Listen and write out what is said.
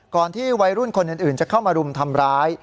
ที่วัยรุ่นคนอื่นจะเข้ามารุมทำร้าย